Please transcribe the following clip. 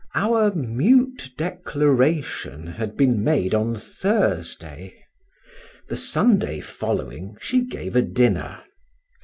Our mute declaration had been made on Thursday, the Sunday following she gave a dinner.